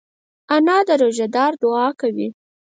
انا د روژهدار دعا کوي